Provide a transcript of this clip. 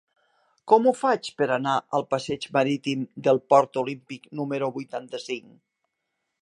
Com ho faig per anar al passeig Marítim del Port Olímpic número vuitanta-cinc?